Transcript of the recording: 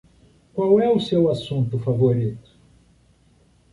Qual é o seu assunto favorito?